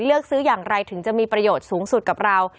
เลือกซื้ออย่างไรถึงจะมีประโยชน์สูงสุดกับเรา